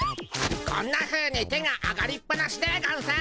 こんなふうに手が上がりっぱなしでゴンス。